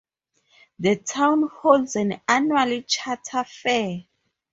The town holds an annual Charter Fair.